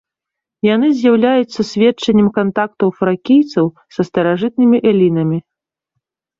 Яны з'яўляюцца сведчаннем кантактаў фракійцаў са старажытнымі элінамі.